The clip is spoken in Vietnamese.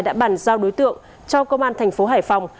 đã bàn giao đối tượng cho công an thành phố hải phòng